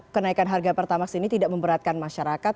kenaikan harga pertamax ini tidak memberatkan masyarakat